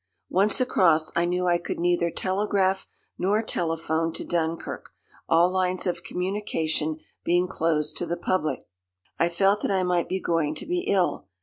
Once across, I knew I could neither telegraph nor telephone to Dunkirk, all lines of communication being closed to the public. I felt that I might be going to be ill.